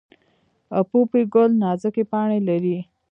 پوپی ګل نازکې پاڼې لري